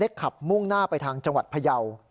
เนี่ยได้ขับมุ่งหน้าไปทางจังหวัดพระยาว